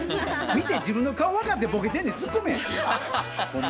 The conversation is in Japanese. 見て自分の顔分かってボケてんねん。